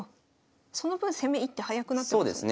その分攻め１手早くなってますもんね。